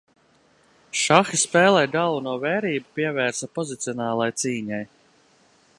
Šaha spēlē galveno vērību pievērsa pozicionālai cīņai.